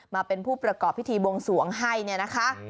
มาเป็นผู้ประกอบพิธีบวงสวงให้เนี่ยนะคะ